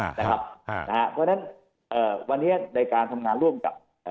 เพราะฉะนั้นวันนี้ในการทำงานร่วมกับ